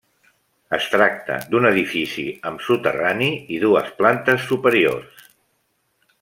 Es tracta d'un edifici amb soterrani i dues plante superiors.